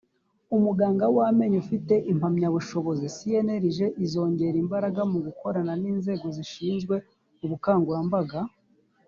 umuganga w amenyo ufite impamyabushobozi cnlg izongera imbaraga mu gukorana n inzego zishinzwe ubukangurambaga